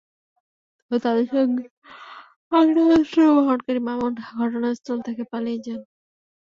তবে তাঁদের সঙ্গে থাকা আগ্নেয়াস্ত্র বহনকারী মামুন ঘটনাস্থল থেকে পালিয়ে যান।